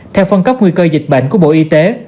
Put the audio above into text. theo phân cấp nguy cơ dịch bệnh của bộ y tế